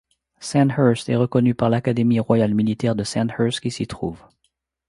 Sandhurst est connu par l'Académie royale militaire de Sandhurst qui s'y trouve.